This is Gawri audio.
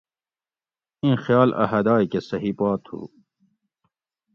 اِیں خیال اۤ حدائ کہ صحیح پا تھُو